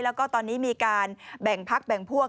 แล้วก็ตอนนี้มีการแบ่งพักแบ่งพวก